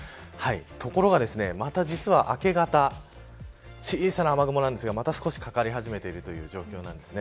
ところが、また実は明け方小さな雨雲なんですがまた少しかかり始めている状況です。